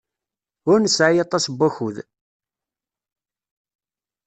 Ur nesɛi aṭas n wakud.